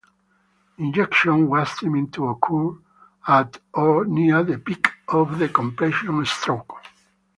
Injection was timed to occur at or near the peak of the compression stroke.